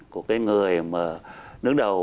của cái người mà đứng đầu